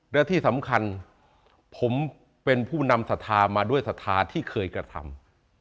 และที่สำคัญผมเป็นผู้นำศรัทธามาด้วยศรัทธาที่เคยกระทำ